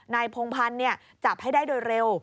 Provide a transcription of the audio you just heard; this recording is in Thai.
พงพันธ์จับให้ได้โดยเร็ว